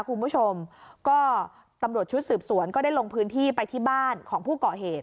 คุณผู้ชมก็ตำรวจชุดสืบสวนก็ได้ลงพื้นที่ไปที่บ้านของผู้ก่อเหตุ